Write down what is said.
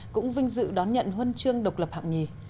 cũng vinh dự đón nhận huân chương độc lập hạng nhì